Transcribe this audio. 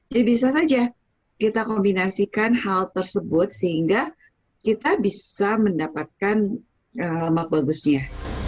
jadi bisa saja kita kombinasikan hal tersebut sehingga kita bisa mendapatkan lemak bagusnya